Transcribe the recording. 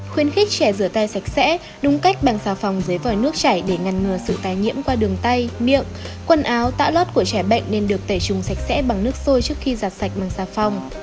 khuyến khích trẻ rửa tay sạch sẽ đúng cách bằng xà phòng dưới vòi nước chảy để ngăn ngừa sự tái nhiễm qua đường tay miệng quần áo tạ lót của trẻ bệnh nên được tẩy trùng sạch sẽ bằng nước sôi trước khi giặt sạch bằng xà phòng